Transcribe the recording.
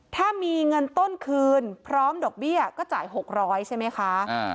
ถ้ามีเงินต้นคืนพร้อมดอกเบี้ยก็จ่าย๖๐๐ใช่ไหมคะ